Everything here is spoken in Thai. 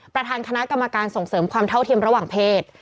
ประธานคณะกรรมการส่งเสริมความเท่าเทียมระหว่างเพศ